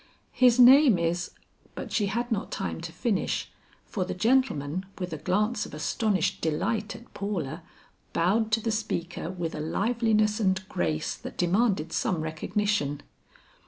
"His name is " But she had not time to finish, for the gentleman with a glance of astonished delight at Paula, bowed to the speaker with a liveliness and grace that demanded some recognition.